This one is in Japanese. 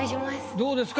どうですか？